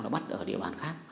là bắt ở địa bàn khác